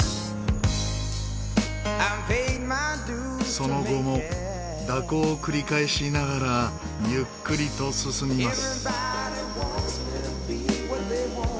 その後も蛇行を繰り返しながらゆっくりと進みます。